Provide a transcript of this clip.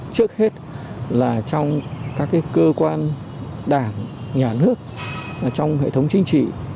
trước hết là trong các cơ quan đảng nhà nước trong hệ thống chính trị